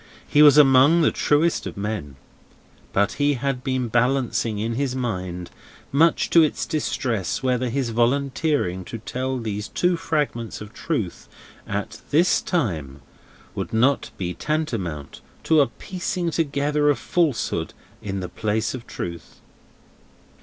He was among the truest of men; but he had been balancing in his mind, much to its distress, whether his volunteering to tell these two fragments of truth, at this time, would not be tantamount to a piecing together of falsehood in the place of truth.